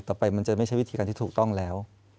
มันจะไม่ใช่วิธีการที่ถูกต้องแล้ว